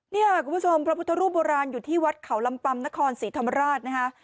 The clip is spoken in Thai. เนี่ยคุณผู้ชมพระพุทธรูปโบราณอยู่ที่วัดเขาลำปัมนครศรีธรรมราชนะคะ